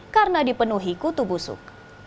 karena dipenuhi kutub busuk